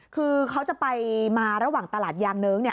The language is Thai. คือเขาจะไปมาระหว่างตลาดยางเนิ้งเนี่ย